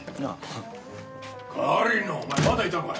狩野お前まだいたのかよ。